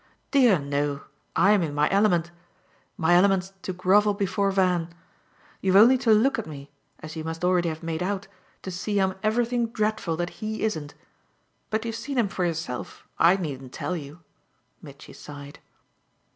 "Dear no I'm in my element. My element's to grovel before Van. You've only to look at me, as you must already have made out, to see I'm everything dreadful that he isn't. But you've seen him for yourself I needn't tell you!" Mitchy sighed.